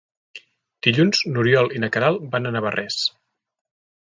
Dilluns n'Oriol i na Queralt van a Navarrés.